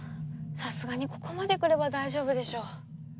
さすがにここまで来れば大丈夫でしょ。